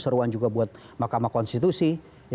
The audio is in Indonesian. seruan juga buat mahkamah konstitusi